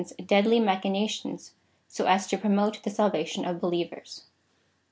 turns Satan^s deadly machinations so as to promote the salvation of believers.